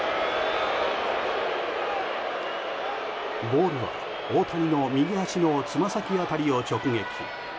ボールは大谷の右足のつま先辺りを直撃。